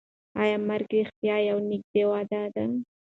ایا مرګ رښتیا یوه نږدې وعده ده؟